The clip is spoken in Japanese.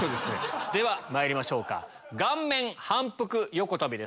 ではまいりましょうか顔面反復横跳びです。